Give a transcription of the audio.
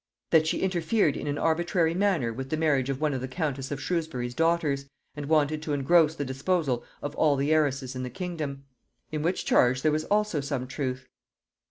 That she interfered in an arbitrary manner with the marriage of one of the countess of Shrewsbury's daughters, and wanted to engross the disposal of all the heiresses in the kingdom; in which charge there was also some truth.